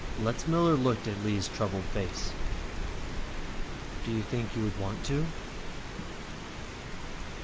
Letzmiller looked at Lee's troubled face. "Do you think that you would want to?"